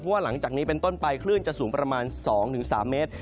ว่าหลังจากนี้เป็นต้นไปคลื่นจะสูงประมาณ๒๓เมตร